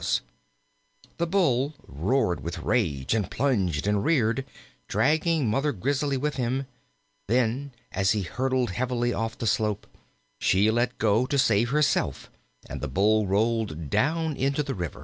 The Bull roared with rage, and plunged and reared, dragging Mother Grizzly with him; then, as he hurled heavily off the slope, she let go to save herself, and the Bull rolled down into the river.